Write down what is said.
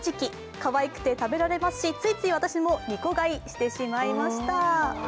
かわいくて食べられますし、ついつい私も２個買いしてしまいました。